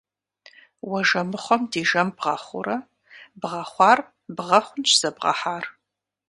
Уэ жэмыхъуэм ди жэм бгъэхъуурэ, бгъэхъуар бгъэ хъунщ зэбгъэхьар!